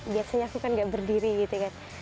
biasanya aku kan gak berdiri gitu kan